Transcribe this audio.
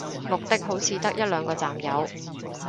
綠的好似得一兩個站有